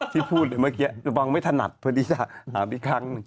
ที่พูดเที่ยวเมื่อกี้บางไม่ถนัดเพื่อที่สามารถอีกครั้ง